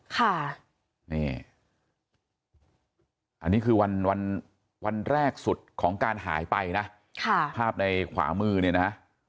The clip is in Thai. ค่ะนี่อันนี้คือวันวันแรกสุดของการหายไปนะค่ะภาพในขวามือเนี่ยนะ